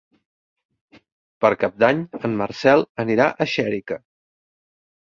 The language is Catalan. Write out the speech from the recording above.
Per Cap d'Any en Marcel anirà a Xèrica.